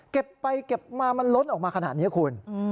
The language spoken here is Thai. เก็บไปเก็บมามันล้นออกมาขนาดนี้คุณ